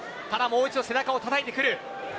もう一度、背中をたたいてくる。